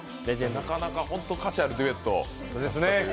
なかなか本当に価値あるデュエット。